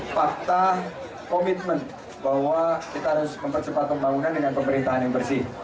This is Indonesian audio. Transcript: fakta komitmen bahwa kita harus mempercepat pembangunan dengan pemerintahan yang bersih